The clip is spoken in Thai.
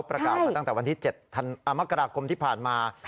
ประกาศมาตั้งแต่วันที่๗มกราคมที่ผ่านมา